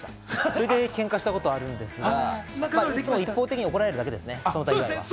それでケンカしたことはあるんですが、いつも一方的に怒られるだけですね。